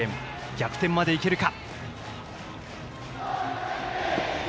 逆転までいけるか。